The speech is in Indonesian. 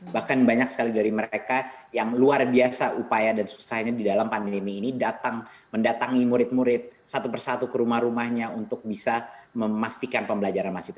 bahkan banyak sekali dari mereka yang luar biasa upaya dan susahnya di dalam pandemi ini datang mendapatkan bantuan untuk bsu ini